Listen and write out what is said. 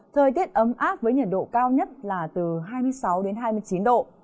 thời tiết ấm áp với nhiệt độ cao nhất là từ hai mươi sáu đến hai mươi chín độ